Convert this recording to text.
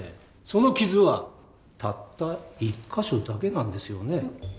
その傷はたった一か所だけなんですよね。